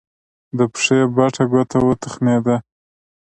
د پښې بټه ګوته وتخنېده.